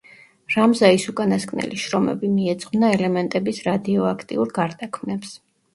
რამზაის უკანასკნელი შრომები მიეძღვნა ელემენტების რადიოაქტიურ გარდაქმნებს.